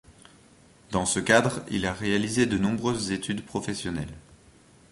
Dans ce cadre, il a réalisé de nombreuses études professionnelles.